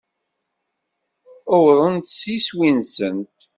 Uwḍent s iswi-nsent.